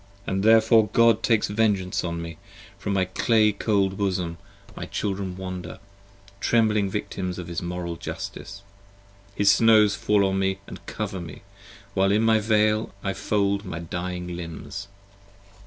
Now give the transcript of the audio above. And therefore God takes vengeance on me: from my clay cold bosom My children wander, trembling victims of his Moral Justice. 35 His snows fall on me and cover me, while in the Veil I fold My dying limbs.